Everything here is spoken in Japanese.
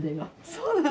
そうなの？